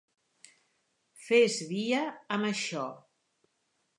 Fes via amb això.